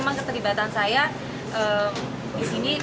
memang keterlibatan saya di sini